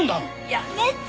やめて！